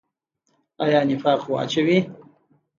آیا نفاق واچوي؟